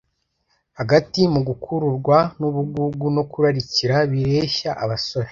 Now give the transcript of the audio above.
hagati mu gukururwa n’ubugugu no kurarikira bireshya abasore?